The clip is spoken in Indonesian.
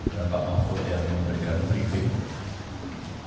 dan pak paku yang memberikan briefing